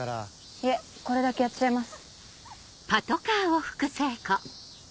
いえこれだけやっちゃいます。